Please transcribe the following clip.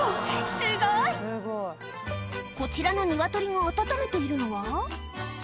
すごいこちらの鶏が温めているのは？